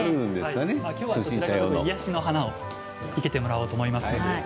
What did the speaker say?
癒やしの花を生けてもらおうと思います。